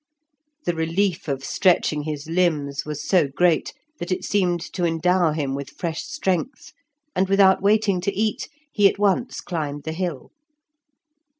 The relief of stretching his limbs was so great that it seemed to endow him with fresh strength, and without waiting to eat, he at once climbed the hill.